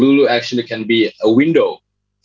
lulu sebenarnya bisa menjadi jadwal